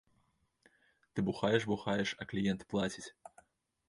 Ты бухаеш-бухаеш, а кліент плаціць.